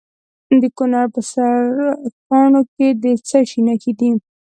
د کونړ په سرکاڼو کې د څه شي نښې دي؟